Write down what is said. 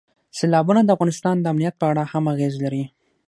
سیلابونه د افغانستان د امنیت په اړه هم اغېز لري.